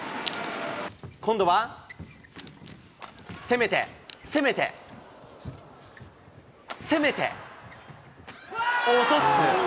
今度は攻めて、攻めて、攻めて、落とす。